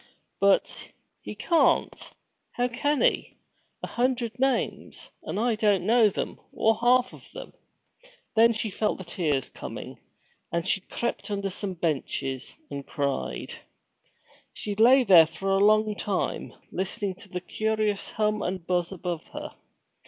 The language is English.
'But, he can't! How can he? A hundred names; and I don't know them, or half of them.' Then she felt the tears coming, and she crept in under some benches, and cried. She lay there a long time, listening to the curious hum and buzz above her.